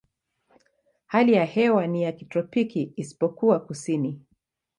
Hali ya hewa ni ya kitropiki isipokuwa kusini.